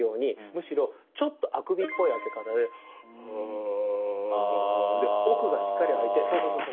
むしろちょっとあくびっぽい開け方であーあーで奥がしっかり開いてそうそうそう。